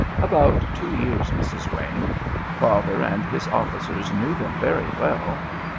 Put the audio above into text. "About two years, Mrs. Wayne. Father and his officers knew them very well.